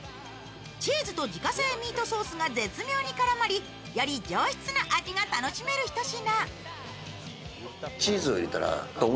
チーズと自家製ミートソースが絶妙に絡まり、より上質な味が楽しめるひと品。